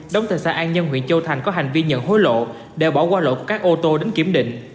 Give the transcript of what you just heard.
đống tài xã an nhân huyện châu thành có hành vi nhận hối lộ để bỏ qua lộ của các ô tô đến kiểm định